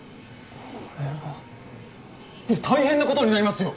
これは大変なことになりますよ